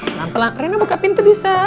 pelan pelan rina buka pintu bisa buat mama